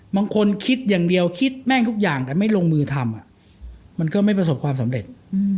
บางคนคิดอย่างเดียวคิดแม่งทุกอย่างแต่ไม่ลงมือทำมันก็ไม่ประสบความสำเร็จ